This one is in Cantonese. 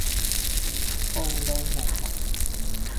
暴露無遺